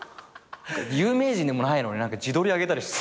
有名人でもないのに自撮りあげたりして。